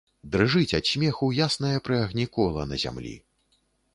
Дрыжыць ад смеху яснае пры агні кола на зямлі.